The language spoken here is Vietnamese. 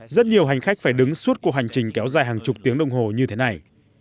rất nhiều hành khách phải đứng suốt cuộc hành trình kéo dài hàng chục tiếng đồng hồ như thế này